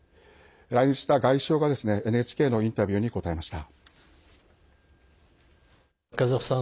来日した外相が、ＮＨＫのインタビューに答えました。